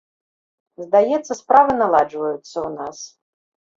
Здаецца, справы наладжваюцца ў нас.